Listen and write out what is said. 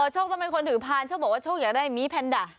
โชคต้องเป็นคนถือพานโชคบอกว่าโชคอยากได้หมีแพนดะ